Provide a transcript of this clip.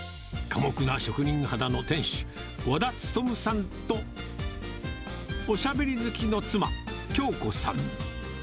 寡黙な職人肌の店主、和田務さんとおしゃべり好きの妻、京子さん。